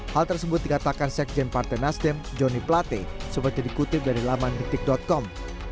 hal tersebut dikatakan sekjen partai nasdem joni plate seperti dikutip dari laman detik com